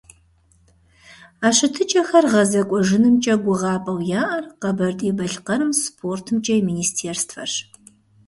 А щытыкӀэхэр гъэзэкӀуэжынымкӀэ гугъапӀэу яӀэр Къэбэрдей-Балъкъэрым СпортымкӀэ и министерствэрщ.